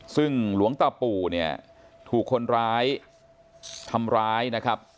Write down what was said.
ซึ่งหลวงตาปู่เนี่ยถูกคนร้ายทำร้ายนะครับ